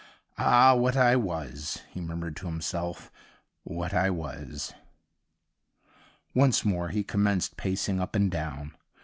' Ah^ what I was !' he murmured to himself —' what I was !' Once more he commenced pac ing up and down.